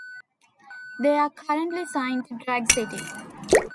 They are currently signed to Drag City.